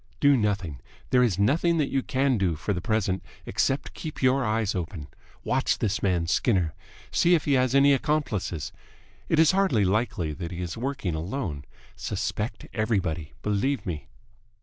"Do nothing. There is nothing that you can do, for the present, except keep your eyes open. Watch this man Skinner. See if he has any accomplices. It is hardly likely that he is working alone. Suspect everybody. Believe me